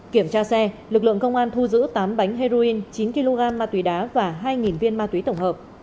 kiểm tra xe lực lượng công an thu giữ tám bánh heroin chín kg ma túy đá và hai viên ma túy tổng hợp